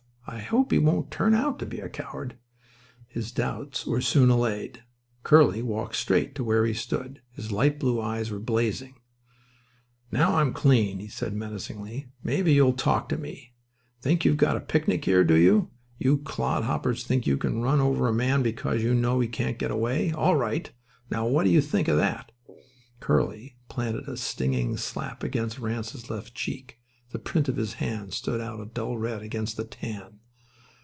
"I hope he won't turn out to be a coward." His doubts were soon allayed. Curly walked straight to where he stood. His light blue eyes were blazing. "Now I'm clean," he said meaningly, "maybe you'll talk to me. Think you've got a picnic here, do you? You clodhoppers think you can run over a man because you know he can't get away. All right. Now, what do you think of that?" Curly planted a stinging slap against Ranse's left cheek. The print of his hand stood out a dull red against the tan.